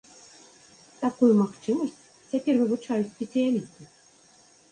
Такую магчымасць цяпер вывучаюць спецыялісты.